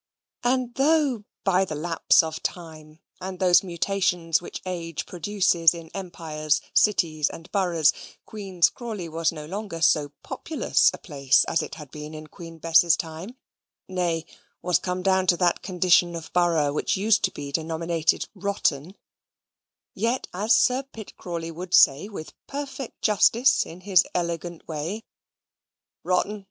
And though, by the lapse of time, and those mutations which age produces in empires, cities, and boroughs, Queen's Crawley was no longer so populous a place as it had been in Queen Bess's time nay, was come down to that condition of borough which used to be denominated rotten yet, as Sir Pitt Crawley would say with perfect justice in his elegant way, "Rotten!